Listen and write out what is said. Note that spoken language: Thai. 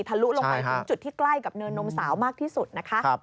ลุลงไปถึงจุดที่ใกล้กับเนินนมสาวมากที่สุดนะคะ